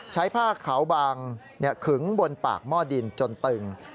ใช้ผ้าขาวบางขึงบนปากหม้อดินจนตึง